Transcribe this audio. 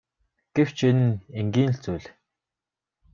Гэвч энэ нь энгийн л зүйл.